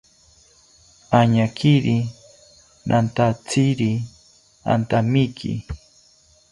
Añakiri nantatziri antamiki